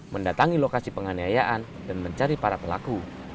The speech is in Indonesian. mendatangi lokasi penganiayaan dan mencari para pelaku